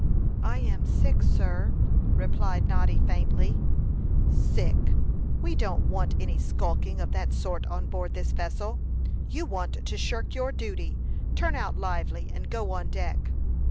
"I am sick, sir," replied Noddy, faintly. "Sick! We don't want any skulking of that sort on board this vessel. You want to shirk your duty. Turn out lively, and go on deck."